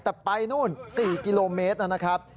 แต่ไปนู่น๔กิโลเมตรนะครับ